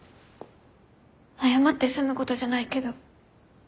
謝って済むことじゃないけど。